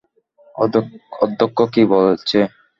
অধ্যক্ষ কি বলছে?